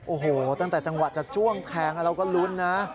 โอ้โหตั้งแต่จังหวะจะจ้วงแทงเราก็ลุ้นนะ